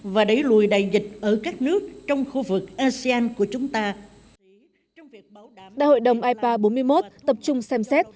và đẩy lùi đại dịch ở các nước trong khu vực asean của chúng ta đại hội đồng ipa bốn mươi một tập trung xem xét